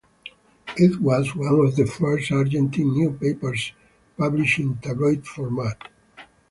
It was one of the first Argentine newspapers published in tabloid format.